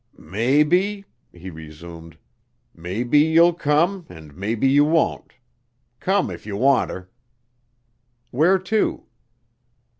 "Maybe," he resumed, "maybe you'll come an' maybe you won't. Come if you wanter." "Where to?"